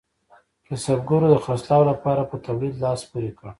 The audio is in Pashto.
کسبګرو د خرڅلاو لپاره په تولید لاس پورې کړ.